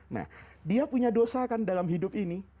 nah dia punya dosa kan dalam hidup ini